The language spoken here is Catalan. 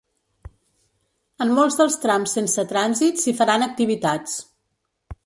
En molts dels trams sense trànsit, s’hi faran activitats.